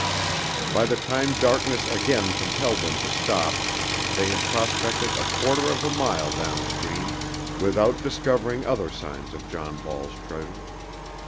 By the time darkness again compelled them to stop they had prospected a quarter of a mile down stream without discovering other signs of John Ball's treasure.